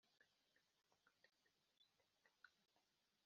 ngo umubwire ibyo wishakira byose.